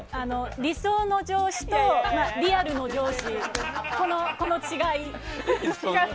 理想の上司とリアルの上司というこの違い。